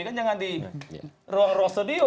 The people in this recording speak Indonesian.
kan jangan di ruang ruang studio